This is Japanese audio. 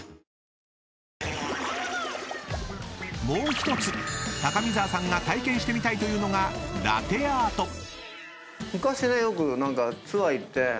［もう１つ高見沢さんが体験してみたいというのがラテアート］